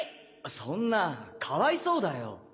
そんなかわいそうだよ。